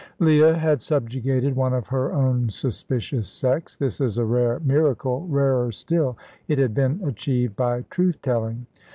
Leah had subjugated one of her own suspicious sex. This is a rare miracle; rarer still, it had been achieved by truth telling.